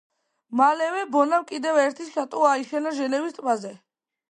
მალევე ბონამ კიდევ ერთი შატო აიშენა ჟენევის ტბაზე.